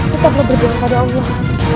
tetap berdiam pada allah